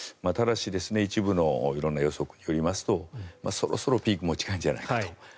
ただし一部の色んな予測によりますとそろそろピークも近いんじゃないかと。